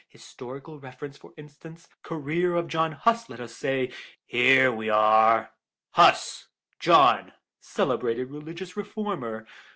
Historical reference, for instance; career of John Huss, let us say. Here we are: 'Huss, John, celebrated religious reformer.